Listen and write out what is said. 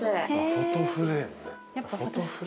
フォトフレームね。